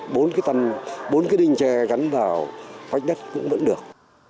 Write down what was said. bốn cái đinh tre gắn vào vách đất cũng vẫn được